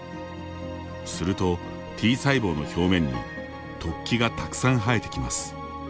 すると、Ｔ細胞の表面に突起がたくさん生えてきます。